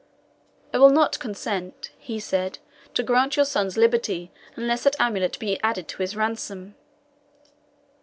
"I will not consent," he said, "to grant your son's liberty, unless that amulet be added to his ransom."